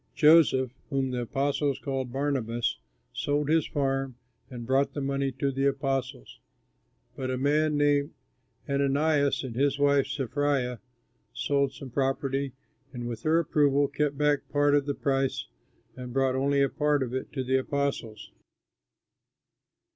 Joseph, whom the apostles called Barnabas, sold his farm and brought the money to the apostles. But a man named Ananias and his wife Sapphira sold some property, and with her approval kept back part of the price and brought only a part of it to the apostles.